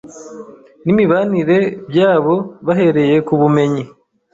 n’imibanire byabo bahereye ku bumenyi